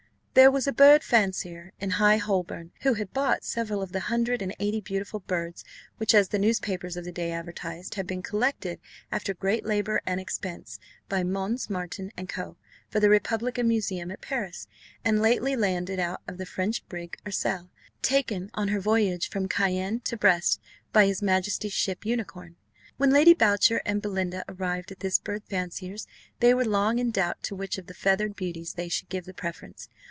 There was a bird fancier in High Holborn, who had bought several of the hundred and eighty beautiful birds, which, as the newspapers of the day advertised, had been "collected, after great labour and expense, by Mons. Marten and Co. for the Republican Museum at Paris, and lately landed out of the French brig Urselle, taken on her voyage from Cayenne to Brest, by His Majesty's Ship Unicorn." When Lady Boucher and Belinda arrived at this bird fancier's, they were long in doubt to which of the feathered beauties they should give the preference.